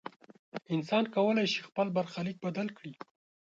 انسان کولی شي خپل برخلیک بدل کړي.